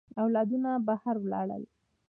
اولادونه بهر ولاړ.